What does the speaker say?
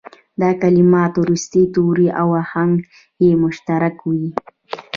دا کلمات وروستي توري او آهنګ یې مشترک وي.